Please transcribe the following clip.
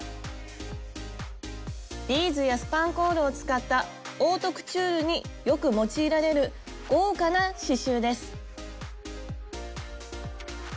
ビーズやスパンコールを使ったオートクチュールによく用いられる豪華な刺しゅうです。